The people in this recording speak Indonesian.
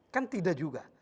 kan tidak juga